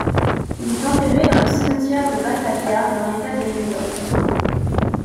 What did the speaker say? Il est enterré dans le cimetière de Batavia, dans l'État de New York.